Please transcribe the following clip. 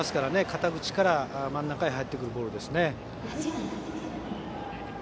肩口から真ん中に入ってくるボールですね。